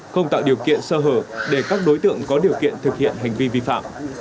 không tạo điều kiện sơ hở để các đối tượng có điều kiện thực hiện hành vi vi phạm